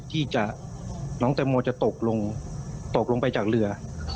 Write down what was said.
ที่จะน้องตัวโมจะตกลงตกลงไปจากเหลือ